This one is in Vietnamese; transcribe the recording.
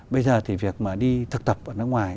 bây giờ thì việc mà đi thực tập ở nước ngoài